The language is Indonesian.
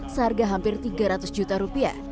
seharga hampir tiga ratus juta rupiah